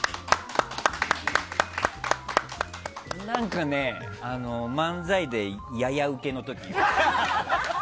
何かね、漫才でややウケの時。